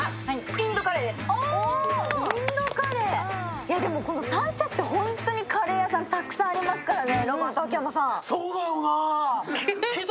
インドカレー、でもこの三茶って本当にカレー屋さんたくさんありますからね。